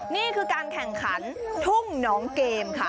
นี่คือการแข่งขันทุ่งน้องเกมค่ะ